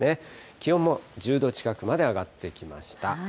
気温も１０度近くまで上がってきました。